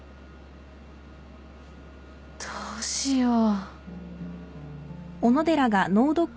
どうしよう。